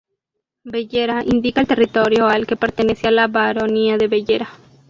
Bellera indica el territorio al que pertenecía: la baronía de Bellera.